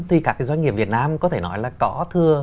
thì các doanh nghiệp việt nam có thể nói là có thưa